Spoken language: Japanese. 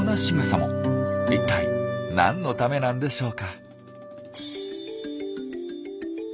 一体何のためなんでしょうか。